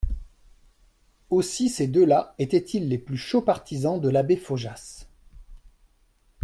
Aussi ces deux-là étaient-ils les plus chauds partisans de l'abbé Faujas.